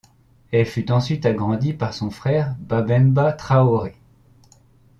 Elle fut ensuite agrandie par son frère Babemba Traoré.